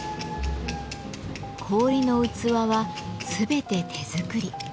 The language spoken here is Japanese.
氷の器は全て手作り。